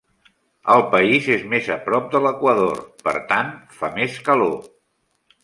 El país és més a prop de l'equador, per tant fa més calor.